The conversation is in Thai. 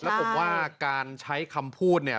แล้วผมว่าการใช้คำพูดเนี่ย